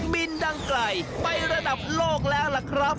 บินดังไกลไประดับโลกแล้วล่ะครับ